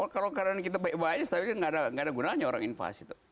kalau kita baik baik saja tapi tidak ada gunanya orang invasi